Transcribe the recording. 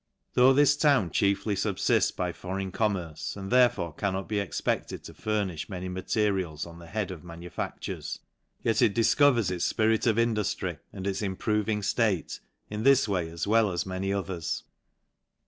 Though this town chiefly fubfifts by foreign com merce, and therefore cannot be expected to furnif many materials on the head of man u failures, yet i discovers its fpirit of induftry, and its improvin i;,:.,. in this way as well as many others.